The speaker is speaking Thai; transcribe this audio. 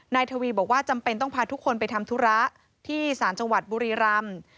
ทวีบอกว่าจำเป็นต้องพาทุกคนไปทำธุระที่ศาลจังหวัดบุรีรำ